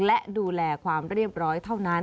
และดูแลความเรียบร้อยเท่านั้น